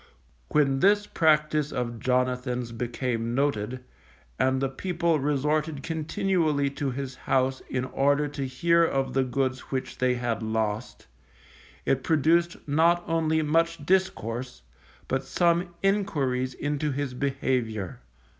When this practice of Jonathan's became noted, and the people resorted continually to his house in order to hear of the goods which they had lost, it produced not only much discourse, but some enquiries into his behaviour.